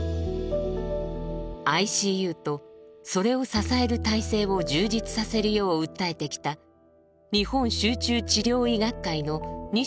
ＩＣＵとそれを支える体制を充実させるよう訴えてきた日本集中治療医学会の西田修理事長です。